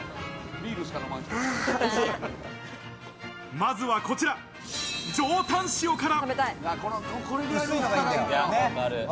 まずはこちら、上タン塩から。